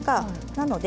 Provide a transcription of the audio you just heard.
なので。